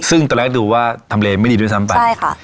ซึ่งตอนแรกดูว่าทำเลไม่ดีด้วยซ้ำไปใช่ค่ะ